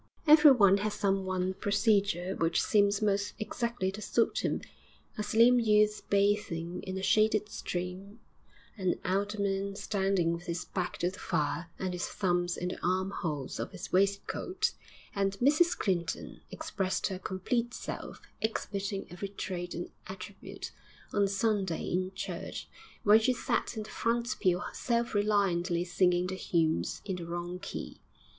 Everyone has some one procedure which seems most exactly to suit him a slim youth bathing in a shaded stream, an alderman standing with his back to the fire and his thumbs in the arm holes of his waistcoat and Mrs Clinton expressed her complete self, exhibiting every trait and attribute, on Sunday in church, when she sat in the front pew self reliantly singing the hymns in the wrong key.